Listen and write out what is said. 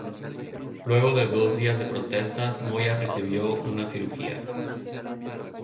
Luego de dos días de protestas, Moya recibió una cirugía.